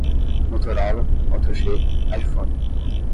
Motorola, MotoG, Iphone